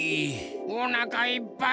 おなかいっぱい。